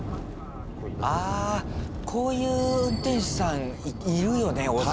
あこういう運転手さんいるよね大阪。